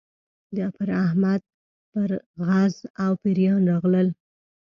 پر احمد پرغز او پېریان راغلل.